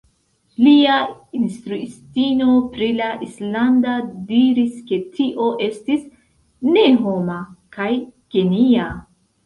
Lia instruistino pri la islanda diris ke tio estis "ne homa" kaj "genia".